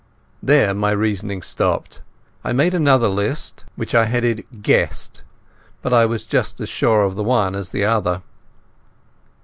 There my reasoning stopped. I made another list, which I headed "Guessed", but I was just as sure of the one as the other.